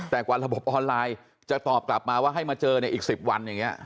แต่กว่าระบบออนไลน์จะตอบกลับมาว่าให้มาเจอในอีก๑๐วันอย่างนี้